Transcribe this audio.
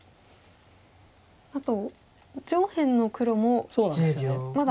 あと上辺の黒もまだ。